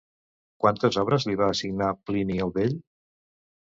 Quantes obres li va assignar Plini el Vell?